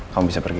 kamu bisa pergi